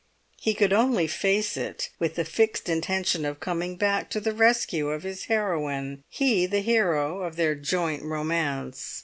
He could only face it with the fixed intention of coming back to the rescue of his heroine, he the hero of their joint romance.